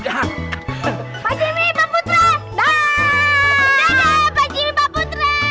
daaaaah pak jimmy pak putra